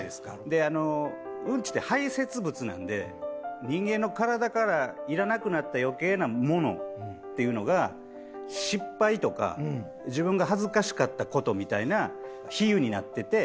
であのうんちって排泄物なので人間の体からいらなくなった余計なものっていうのが失敗とか自分が恥ずかしかった事みたいな比喩になってて。